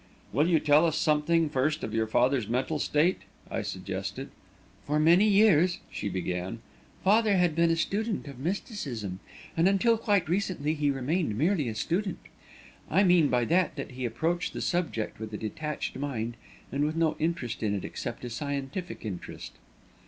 "Will you tell us something, first, of your father's mental state?" I suggested. "For many years," she began, "father had been a student of mysticism, and until quite recently he remained merely a student. I mean by that that he approached the subject with a detached mind and with no interest in it except a scientific interest."